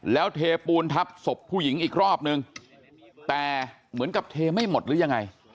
แล้วเทปูนทับศพผู้หญิงอีกรอบนึงแต่เหมือนกับเทไม่หมดหรือยังไง